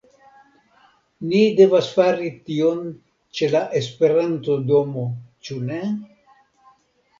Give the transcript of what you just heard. Ni devas fari tion ĉe la Esperanto-domo, ĉu ne?